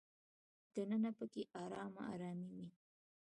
دننه په کې ارامه ارامي وي.